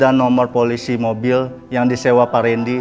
dan nomor polisi mobil yang disewa pak randy